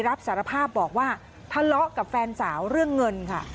รับสารภาพบอกว่าทะเลาะกับแฟนสาวเรื่องเงินค่ะ